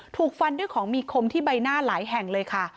ถูกฟันด้วยของมีคมที่ใบหน้าหลายแห่งเลยค่ะ